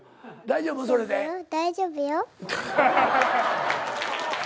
大丈夫よ。